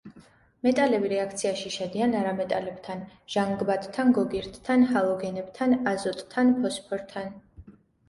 მეტალები რეაქციაში შედიან არამეტალებთან: ჟანგბადთან, გოგირდთან, ჰალოგენებთან, აზოტთან, ფოსფორთან.